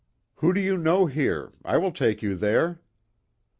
"Who do you knovv here? I will take you there."